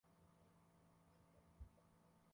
huwezi kuambukizwa virusi vya ukimwi kupitia kugusana